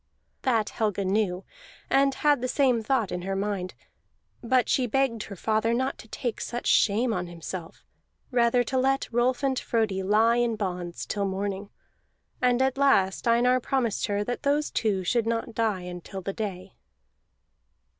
That Helga knew, and had the same thought in her mind; but she begged her father not to take such shame on himself, rather to let Rolf and Frodi lie in bonds till morning. And at last Einar promised her that those two should not die until the day.